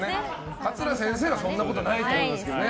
桂先生はそんなことないと思いますけど。